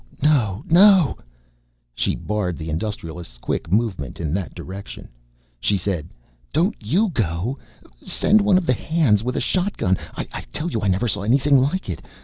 No, no " She barred the Industrialist's quick movement in that direction. She said, "Don't you go. Send one of the hands with a shotgun. I tell you I never saw anything like it.